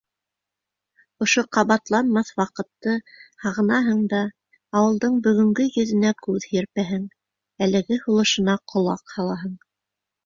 Ошо ҡабатланмаҫ ваҡытты һағынаһың да ауылдың бөгөнгө йөҙөнә күҙ һирпәһең, әлеге һулышына ҡолаҡ һалаһың.